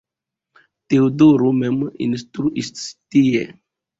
Teodoro mem instruis tie.